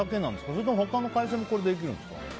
それとも他の海鮮もいけるんですか？